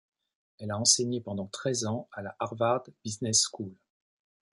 Elle a enseigné pendant treize ans à la Harvard Business School.